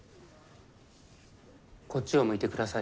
こっちを向いて下さい。